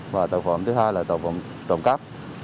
và tội phạm thứ hai là tội phạm trộm cắp